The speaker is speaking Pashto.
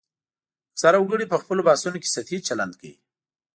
اکثره وګړي په خپلو بحثونو کې سطحي چلند کوي